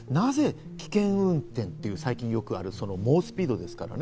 なぜ危険運転という最近よくある猛スピードですからね。